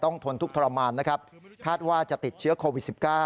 ทนทุกข์ทรมานนะครับคาดว่าจะติดเชื้อโควิด๑๙